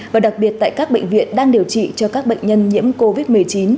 và đặc biệt tại các bệnh viện đang điều trị cho các bệnh nhân nhiễm covid một mươi chín